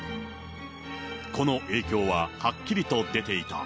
この影響ははっきりと出ていた。